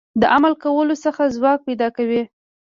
د عمل کولو هغه ځواک پيدا کوي.